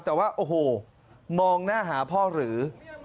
แต่ว่าโอ้โหมองหน้าหาพ่อหรือ